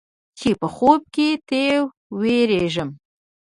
چې په خوب کې تې وېرېږم.